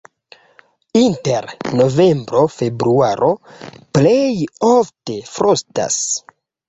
Inter novembro-februaro plej ofte frostas.